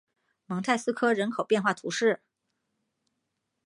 蒙泰斯科人口变化图示